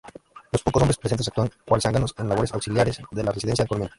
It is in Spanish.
Los pocos hombres presentes actúan cual zánganos en labores auxiliares de la residencia-colmena.